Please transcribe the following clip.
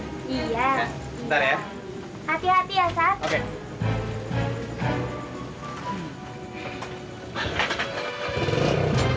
kamu nggak apa apa sih deh disini